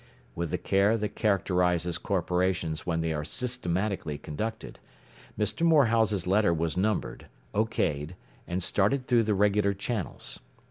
With the care that characterizes corporations when they are systematically conducted, Mr. Morehouse's letter was numbered, O.K'd, and started through the regular channels.